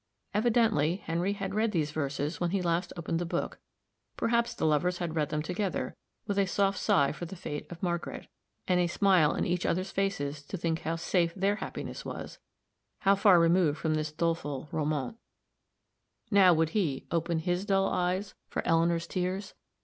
Evidently, Henry had read these verses when he last opened the book perhaps the lovers had read them together, with a soft sigh for the fate of Margret, and a smile in each other's faces to think how safe their happiness was how far removed from this doleful "Romaunt." Now would he "open his dull eyes," for Eleanor's tears?